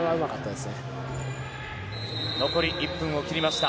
残り１分を切りました。